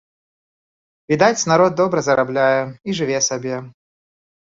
Відаць, народ добра зарабляе і жыве сабе.